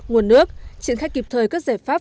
nguồn nước triển khai kịp thời các giải pháp